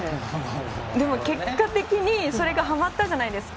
でも結果的に、それがはまったじゃないですか。